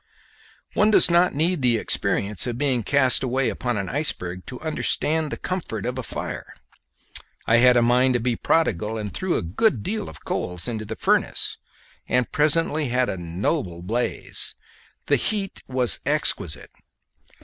One does not need the experience of being cast away upon an iceberg to understand the comfort of a fire. I had a mind to be prodigal, and threw a good deal of coals into the furnace, and presently had a noble blaze. The heat was exquisite.